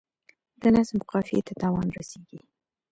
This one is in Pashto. د نظم قافیې ته تاوان رسیږي.